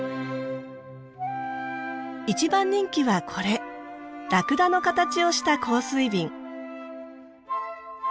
一番人気はこれラクダの形をした香水瓶。